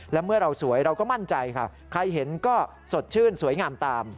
และเมื่อเราสวยเราก็มั่นใจค่ะใครเห็นก็สดชื่นสวยงามตาม